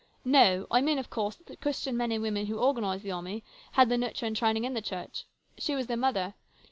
" No ; I mean, of course, that the Christian men and women who organised the army had their nurture and training in the Church. She was their mother.